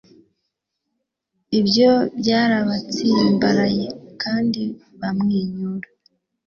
Ibyo byarabatsimbaraye kandi bamwenyura